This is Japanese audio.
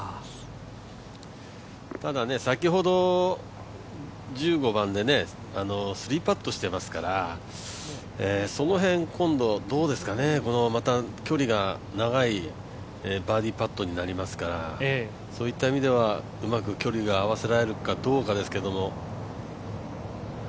ただ先ほど、１５番で３パットしてますからその辺、今度どうですかねまた距離が長いバーディーパットになりますからそういった意味ではうまく距離が合わせられるかどうかですけれども。